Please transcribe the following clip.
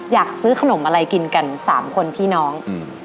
อยากซื้อขนมอะไรกินกัน๓คนพี่น้อง